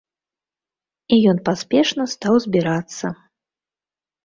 І ён паспешна стаў збірацца.